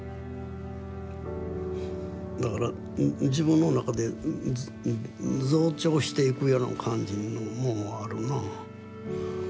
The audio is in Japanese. だから自分の中で増長していくような感じのもんはあるなあ。